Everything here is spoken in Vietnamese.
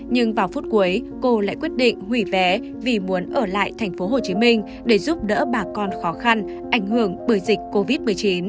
nhưng vào phút cuối cô lại quyết định hủy vé vì muốn ở lại tp hcm để giúp đỡ bà con khó khăn ảnh hưởng bởi dịch covid một mươi chín